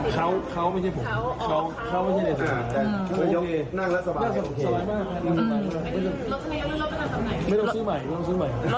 ใช่เขาก็บอกว่าเขาบอกว่าผลหัวสิ